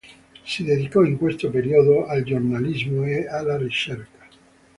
Si dedicò in questo periodo al giornalismo e alla ricerca.